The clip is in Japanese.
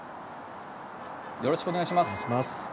よろしくお願いします。